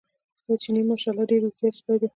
ستا چیني ماشاءالله ډېر هوښیار سپی دی.